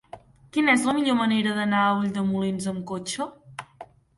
Quina és la millor manera d'anar a Ulldemolins amb cotxe?